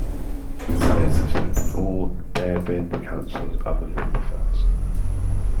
Italians have served in all Darebin Councils other than the first.